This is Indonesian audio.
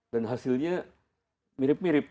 dan hasilnya mirip mirip